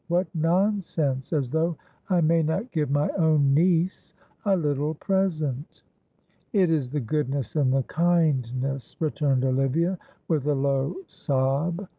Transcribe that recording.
What nonsense, as though I may not give my own niece a little present." "It is the goodness and the kindness," returned Olivia, with a low sob.